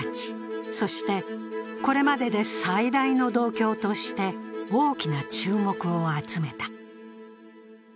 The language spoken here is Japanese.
そしてこれまでで最大の銅鏡として大きな注目を集めた。